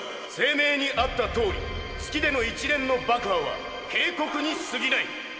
声明にあったとおり月での一連の爆破は警告にすぎない。